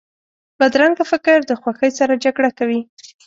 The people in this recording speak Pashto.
بدرنګه فکر د خوښۍ سره جګړه کوي